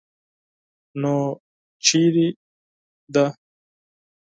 _نو چېرته ده؟